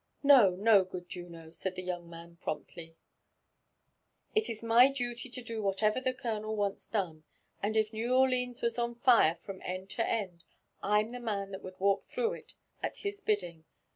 No, no, good Juno," said the young man promptly; it is my JONATHAN JEFFERSON WHITLAW. I5S doty to do whatever the colonel wants done; and if New Orleans was on fire from end to end, Fm the man that would walk through it at his bidding.